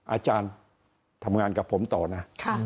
อาจารย์ทำงานกับผมต่อนะ